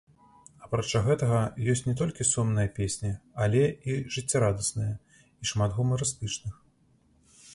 Апрача гэтага, ёсць не толькі сумныя песні, але і жыццярадасныя і шмат гумарыстычных.